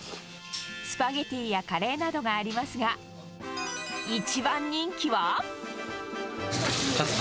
スパゲティやカレーなどがありますが、一番人気は？